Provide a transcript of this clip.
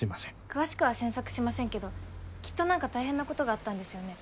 詳しくは詮索しませんけどきっとなんか大変なことがあったんですよね？